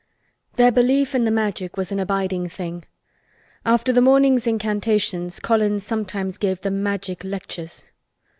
Their belief in the Magic was an abiding thing. After the morning's incantations Colin sometimes gave them Magic lectures.